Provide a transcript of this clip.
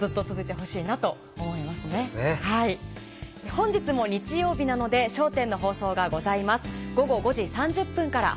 本日も日曜日なので『笑点』の放送がございます。